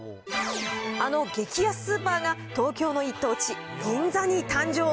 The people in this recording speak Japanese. あの激安スーパーが東京の一等地、銀座に誕生。